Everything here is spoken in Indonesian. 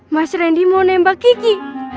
mas randy mau nembak kiki